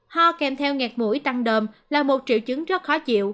ho kèm theo nghẹt mũi tăng đờm là một triệu chứng rất khó chịu